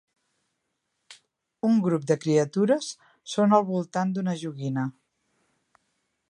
Un grup de criatures són al voltant d'una joguina.